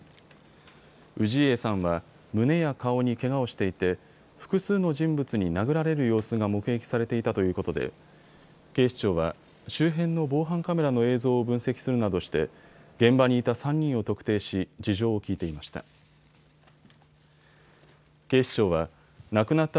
氏家さんは胸や顔にけがをしていて複数の人物に殴られる様子が目撃されていたということで警視庁は周辺の防犯カメラの映像を分析するなどして現場にいた３人を特定し事情を聴いていました。